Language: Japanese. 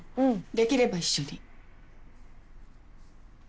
できれば一緒に。